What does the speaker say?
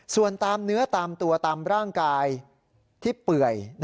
ส่วนตามเนื้อตามตัวตามร่างกายที่เปื่อย